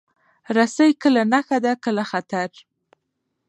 رسۍ کله نښه ده، کله خطر.